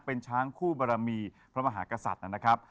เป็นช้างคู่บรมีพระมหากษัตริย์นะครับ